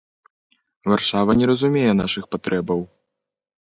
Варшава не разумее нашых патрэбаў!